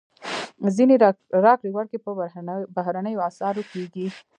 ځینې راکړې ورکړې په بهرنیو اسعارو کېږي.